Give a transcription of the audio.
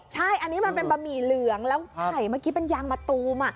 ใช่อันนี้มันเป็นบะหมี่เหลืองแล้วไข่เมื่อกี้เป็นยางมะตูม